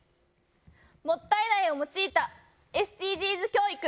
もったい苗を用いたＳＤＧｓ教育。